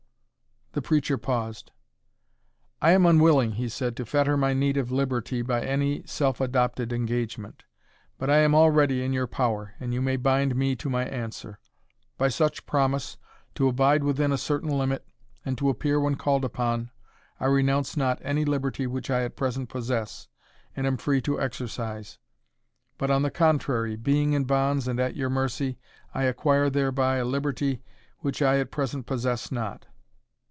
The preacher paused "I am unwilling," he said, "to fetter my native liberty by any self adopted engagement. But I am already in your power, and you may bind me to my answer. By such promise, to abide within a certain limit, and to appear when called upon, I renounce not any liberty which I at present possess, and am free to exercise; but, on the contrary, being in bonds, and at your mercy, I acquire thereby a liberty which I at present possess not.